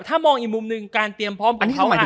ถ้ามองอีกมุมนึงการเตรียมพร้อมช่วงเขา